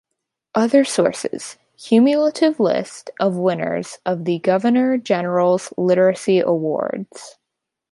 Other sources: "Cumulative List of Winners of the Governor General's Literary Awards".